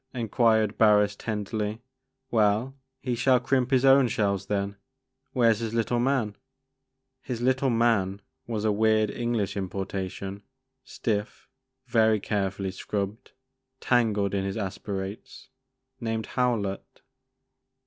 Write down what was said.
'' enquired Barris tenderly; "well, he shall crimp his own shells then, — where 's his little man ?*'His little man," was a weird English impor tation, stiff, very carefully scrubbed, tangled in his aspirates, named Howlett.